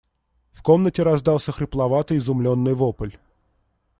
В комнате раздался хрипловатый изумленный вопль.